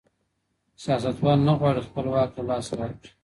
سياستوال نه غواړي خپل واک له لاسه ورکړي.